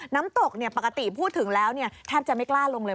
น้ำตกเนี่ยปกติพูดถึงแล้วเนี่ยแทบจะไม่กล้าลงเลย